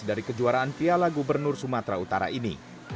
dari kejuaraan piala gubernur sumatera utara ini